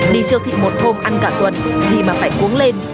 đi siêu thị một hôm ăn cả tuần gì mà phải cuống lên